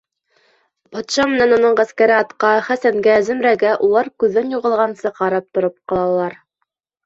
Батша менән уның ғәскәре атҡа, Хәсәнгә, Зөмрәгә, улар күҙҙән юғалғансы, ҡарап тороп ҡалалар.